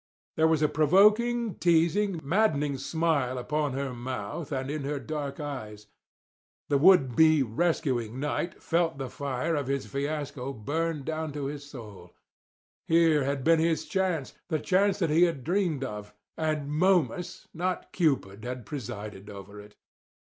There was a provoking, teasing, maddening smile upon her mouth and in her dark eyes. The would be rescuing knight felt the fire of his fiasco burn down to his soul. Here had been his chance, the chance that he had dreamed of; and Momus, and not Cupid, had presided over it.